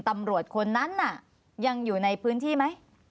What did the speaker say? ตำรวจคนนั้นน่ะยังอยู่ในพื้นที่ไหม